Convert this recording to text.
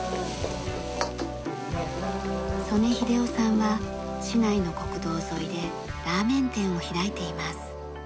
曽根秀雄さんは市内の国道沿いでラーメン店を開いています。